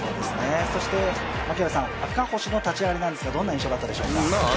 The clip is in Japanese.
そして赤星の立ち上がりですけどどんな印象があったでしょうか？